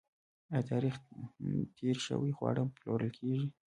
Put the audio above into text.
آیا تاریخ تیر شوي خواړه پلورل کیږي؟